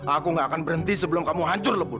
aku nggak akan berhenti sebelum kamu hancur lebur